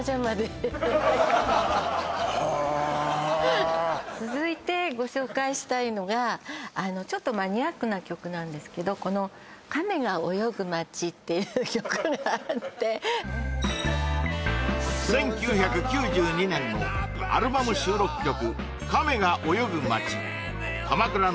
はいはあ続いてご紹介したいのがちょっとマニアックな曲なんですけどこの「亀が泳ぐ街」っていう曲があって１９９２年のアルバム収録曲